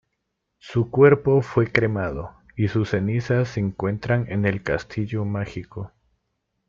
Su cuerpo fue cremado, y sus cenizas se encuentran en el Castillo mágico.